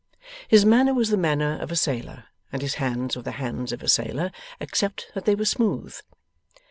His manner was the manner of a sailor, and his hands were the hands of a sailor, except that they were smooth.